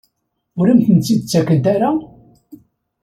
Ur am-ten-id-ttakent ara?